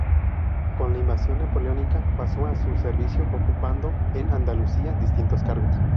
Con la invasión napoleónica pasó a su servicio ocupando en Andalucía distintos cargos.